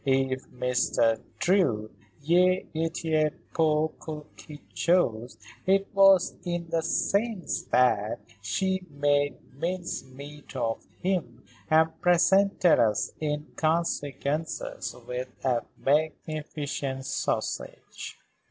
If Mr. Drew y était pour quelque chose, it was in the sense that she made mincemeat of him and presented us in consequence with a magnificent sausage."